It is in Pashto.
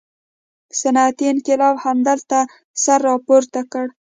صنعتي انقلاب همدلته سر راپورته کړ.